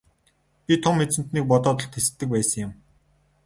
Би Том эзэнтнийг бодоод л тэсдэг байсан юм.